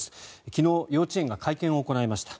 昨日、幼稚園が会見を行いました。